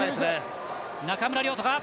中村亮土か。